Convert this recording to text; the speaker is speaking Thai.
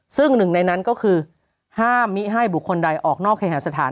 ซึ่งหนึ่งในนั้นก็คือห้ามมิให้บุคคลใดออกนอกเคหาสถาน